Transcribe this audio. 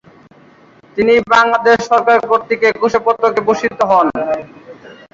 তিনি বাংলাদেশ সরকার কর্তৃক একুশে পদকে ভূষিত হন।